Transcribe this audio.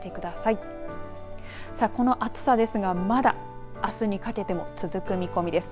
さあ、この暑さですが、まだあすにかけても続く見込みです。